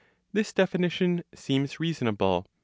This definition seems reasonable.